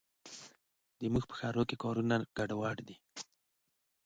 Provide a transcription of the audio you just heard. زموږ په ښارونو کې کارونه بې نظمه دي.